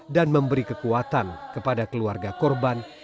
dan memberi kekuatan kepada keluarga korban